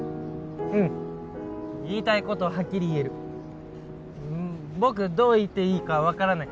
うん言いたいことはっきり言える僕どう言っていいか分からない